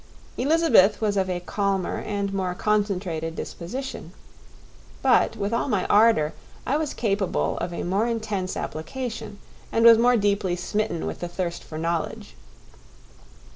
Elizabeth was of a calmer and more concentrated disposition; but, with all my ardour, I was capable of a more intense application and was more deeply smitten with the thirst for knowledge.